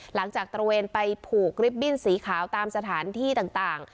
หลังจากตระเวนไปผูกริปสีขาวตามสถานที่ต่าง